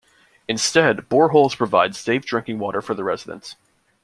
Instead, boreholes provide safe drinking water for the residents.